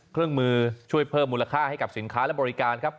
เครื่องมือช่วยเพิ่มมูลค่าให้กับสินค้าและบริการครับ